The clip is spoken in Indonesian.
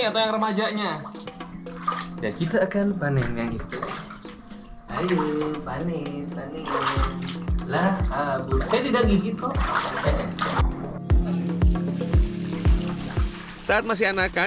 ada yang dijual bibitnya silahkan dibesarkan